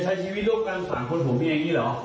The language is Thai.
จะใช้ชีวิตลูกกันของคนของเมียแบบนี้หรอ